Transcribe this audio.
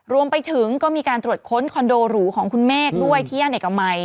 รวมไปถึงก็มีการตรวจค้นคอนโดหรูของคุณเมฆด้วยที่ย่านเอกมัย